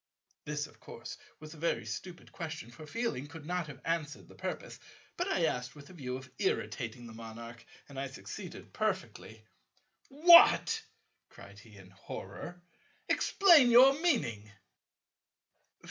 This of course was a very stupid question, for feeling could not have answered the purpose; but I asked with the view of irritating the Monarch, and I succeeded perfectly. "What!" cried he in horror, "explain your meaning."